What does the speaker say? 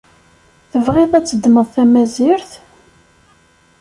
Tebɣiḍ ad teddmeḍ tamazirt?